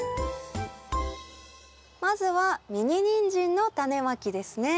まずはミニニンジンのタネまきですね。